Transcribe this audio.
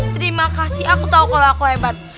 terima kasih aku tahu kalau aku hebat